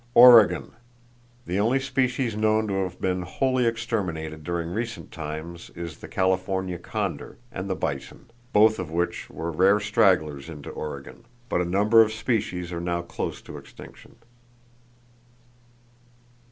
Oregon: The only species known to have been wholly exterminated during recent times is the California condor and the bison, both of which were rare stragglers into Oregon; but a number of species are now close to extinction.